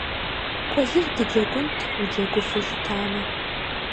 Куэзыр дыджэгунт, уджэгуфу щытамэ.